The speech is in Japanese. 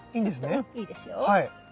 うんいいですよ。